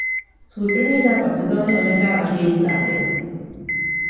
Svůj první zápas sezony odehrál až v jejím závěru.